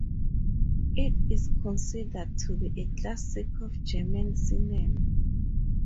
It is considered to be a classic of German cinema.